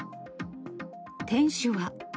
店主は。